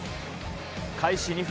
開始２分